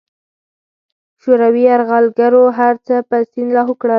شوروي یرغلګرو هرڅه په سیند لاهو کړل.